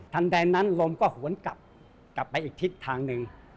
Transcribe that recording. ใดนั้นลมก็หวนกลับกลับไปอีกทิศทางหนึ่ง